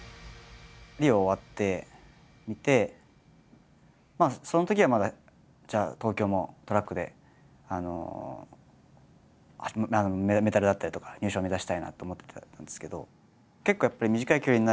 リオ終わってみてそのときはまだじゃあ東京もトラックでメダルだったりとか入賞を目指したいなと思ってたんですけど。